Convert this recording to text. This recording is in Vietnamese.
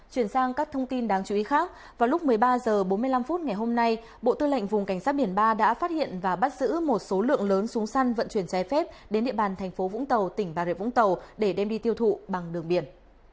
chuyển sang các thông tin đáng chú ý khác vào lúc một mươi ba h bốn mươi năm ngày hôm nay bộ tư lệnh vùng cảnh sát biển ba đã phát hiện và bắt giữ một số lượng lớn súng săn vận chuyển trái phép đến địa bàn thành phố vũng tàu tỉnh bà rịa vũng tàu để đem đi tiêu thụ bằng đường biển